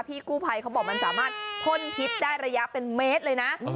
พี่กู้ภัยเขาบอกมันสามารถพ่นพิษได้ระยะเป็นเมตรเลยนะ